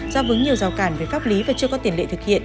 do vững nhiều rào cản về pháp lý và chưa có tiền lệ thực hiện